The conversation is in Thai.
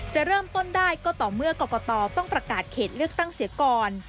จะเริ่มต้นได้ก็ต่อเมื่อกรกตต้องประกาศเขตเลือกตั้งเสียก่อน